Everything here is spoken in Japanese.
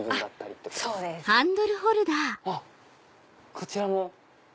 こちらも。